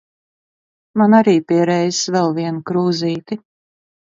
Man arī pie reizes, vēl vienu krūzīti.